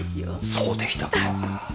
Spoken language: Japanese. そうでしたか。